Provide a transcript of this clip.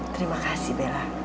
terima kasih bella